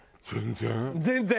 全然。